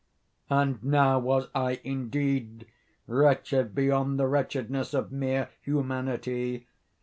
And now was I indeed wretched beyond the wretchedness of mere Humanity.